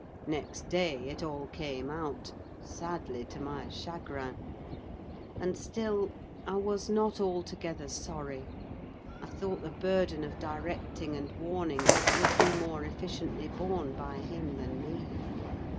Next day it all came out, sadly to my chagrin; and still I was not altogether sorry: I thought the burden of directing and warning would be more efficiently borne by him than me.